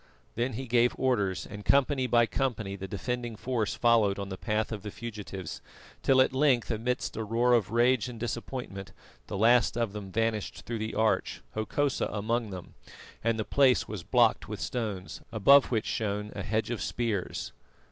Then he gave orders, and company by company the defending force followed on the path of the fugitives, till at length amidst a roar of rage and disappointment, the last of them vanished through the arch, Hokosa among them, and the place was blocked with stones, above which shone a hedge of spears.